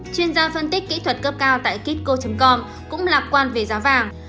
chuyên gia phân tích kỹ thuật cấp cao tại kitco com cũng lạc quan về giá vàng